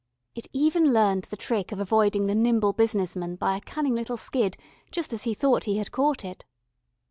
It even learned the trick of avoiding the nimble business man by a cunning little skid just as he thought he had caught it.